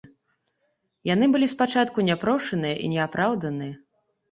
Яны былі спачатку няпрошаныя і неапраўданыя.